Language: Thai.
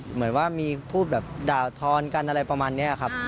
เหมือนว่ามีพูดแบบด่าทอนกันอะไรประมาณนี้ครับ